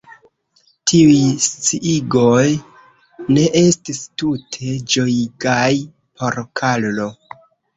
Tiuj sciigoj ne estis tute ĝojigaj por Karlo.